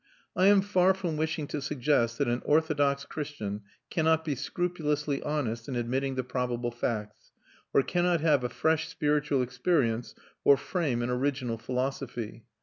I am far from wishing to suggest that an orthodox Christian cannot be scrupulously honest in admitting the probable facts, or cannot have a fresh spiritual experience, or frame an original philosophy.